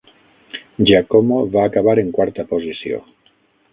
Giacomo va acabar en quarta posició.